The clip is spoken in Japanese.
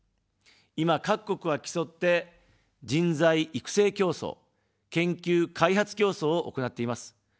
今、各国は競って人材育成競争・研究開発競争を行っています。